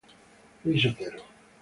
Luis Otero